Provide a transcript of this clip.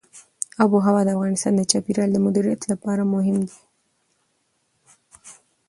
آب وهوا د افغانستان د چاپیریال د مدیریت لپاره مهم دي.